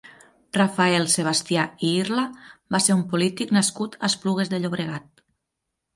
Rafael Sebastià i Irla va ser un polític nascut a Esplugues de Llobregat.